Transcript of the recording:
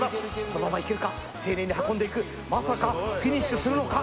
そのままいけるか丁寧に運んでいくまさかフィニッシュするのか？